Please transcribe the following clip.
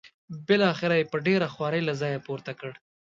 بالاخره یې په ډېره خوارۍ له دې ځایه پورته کړ.